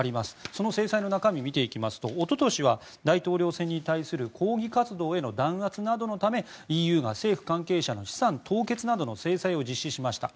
その制裁の中身を見ていきますとおととしは大統領選に対する抗議活動への弾圧などのため、ＥＵが政府関係者の資産凍結などの制裁を実施しました。